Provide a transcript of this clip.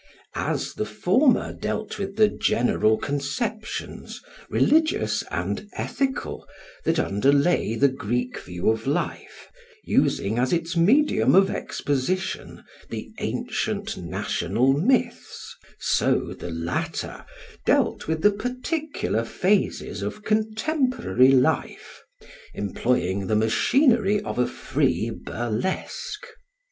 As the former dealt with the general conceptions, religious and ethical, that underlay the Greek view of life, using as its medium of exposition the ancient national myths, so the latter dealt with the particular phases of contemporary life, employing the machinery of a free burlesque.